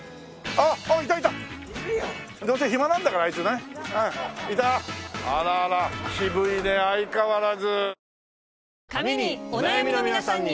あらあら渋いね相変わらず。